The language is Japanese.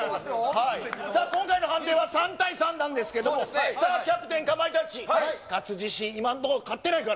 さあ、今回の判定は３対３なんですけど、さあ、キャプテン、かまいたち、勝つ自信、今のところ、勝ってないから。